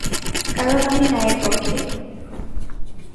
কারণ আমি ন্যায়ের পক্ষে।